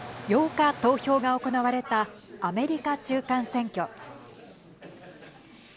８日、投票が行われたアメリカ中間選挙。